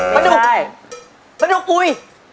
ปลาดุกปลาดุกอุ่ย